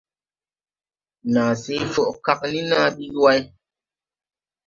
Naa se coʼ kag ni na bi yuway.